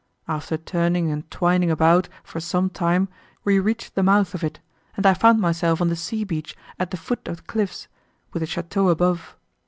After turning and twining about, for some time, we reached the mouth of it, and I found myself on the sea beach at the foot of the cliffs, with the château above.